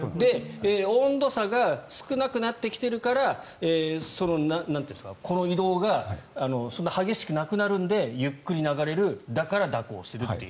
温度差が少なくなってきてるからこの移動がそんな激しくなくなるのでゆっくり流れるだから蛇行するという。